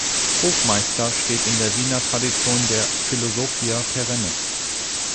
Hofmeister steht in der Wiener Tradition der „Philosophia perennis“.